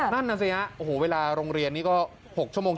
นั่นน่ะสิฮะโอ้โหเวลาโรงเรียนนี้ก็๖ชั่วโมง